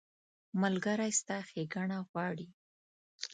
ملګری ستا ښېګڼه غواړي.